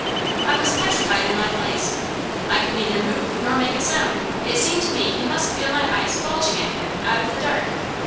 I was petrified in my place. I could neither move nor make a sound. It seemed to me he must feel my eyes bulging at him out of the dark.